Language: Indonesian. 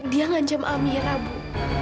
dia ngancam amira bu